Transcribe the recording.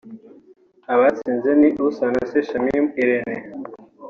Abatsinze ni Usanase Shamim Irene